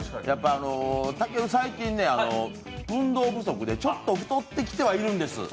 たける、最近ね、運動不足でちょっと太ってきてはいるんです。